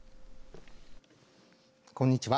こんにちは。